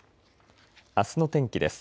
あすの天気です。